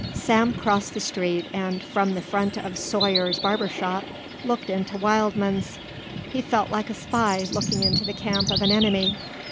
Sam crossed the street and, from the front of Sawyer's barber shop, looked into Wildman's. He felt like a spy looking into the camp of an enemy.